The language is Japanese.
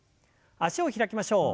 脚を開きましょう。